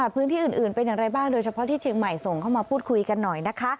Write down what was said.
พื้นที่อื่นเป็นอย่างไรบ้างโดยเฉพาะที่เชียงใหม่ส่งเข้ามาพูดคุยกันหน่อยนะคะ